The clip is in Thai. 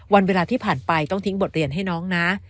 วันเวลาที่ผ่านไปต้องทิ้งบทเรียนให้น้องนะ